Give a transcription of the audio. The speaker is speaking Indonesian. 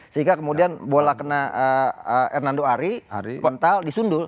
sehingga kemudian bola kena hernando ari mental disundul